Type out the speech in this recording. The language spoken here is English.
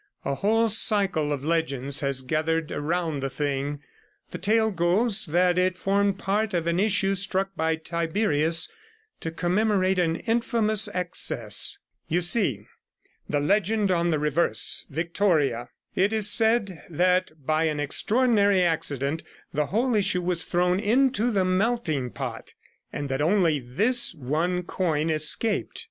A whole cycle of legend has gathered round the thing; the tale goes that it formed part of an issue struck by Tiberius to commemorate an infamous excess. You see the legend on the reverse: "Victoria". It is said that by an extraordinary accident the whole issue was thrown into the melting pot, and that only this one coin escaped.